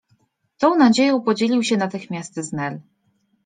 Tą nadzieją podzielił się natychmiast z Nel.